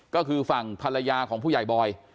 ก็คือฝั่งภรรยาของผู้ใหญ่บอย